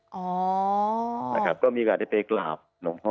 ก็มีการกำลังได้ไปกลายหลวงพ่อ